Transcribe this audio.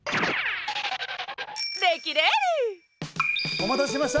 お待たせしました。